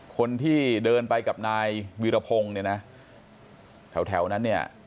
คนที่เดินไปกับนายวีรพงศ์เนี่ยนะแถวนั้นเนี่ย